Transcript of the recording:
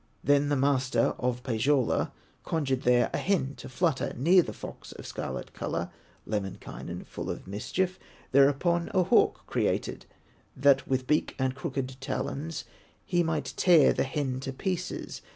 Then the master of Pohyola Conjured there a hen to flutter Near the fox of scarlet color. Lemminkainen, full of mischief, Thereupon a hawk created, That with beak and crooked talons He might tear the hen to pieces.